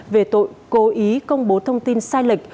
về tội cố ý công bố thông tin sai lệch